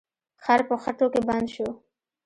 خر په خټو کې بند شو.